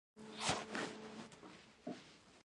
خپل ګیلاس یې پورته کړ، سمه ده.